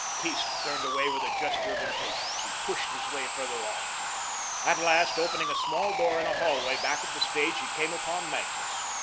Keast turned away with a gesture of impatience. He pushed his way farther on. At last, opening a small door in a hallway back of the stage, he came upon Magnus.